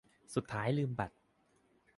สุดท้ายลืมบัตร